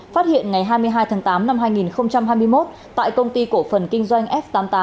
phát hiện ngày hai mươi hai tháng tám năm hai nghìn hai mươi một tại công ty cổ phần kinh doanh f tám mươi tám